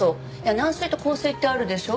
軟水と硬水ってあるでしょ。